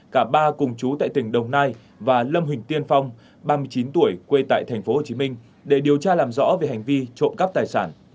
cả ba cùng chú tại tỉnh đồng nai và lâm huỳnh tiên phong ba mươi chín tuổi quê tại tp hcm để điều tra làm rõ về hành vi trộm cắp tài sản